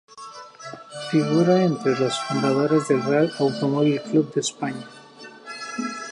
Figura entre los fundadores del Real Automóvil Club de España.